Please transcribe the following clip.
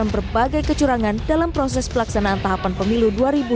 berbagai kecurangan dalam proses pelaksanaan tahapan pemilu dua ribu dua puluh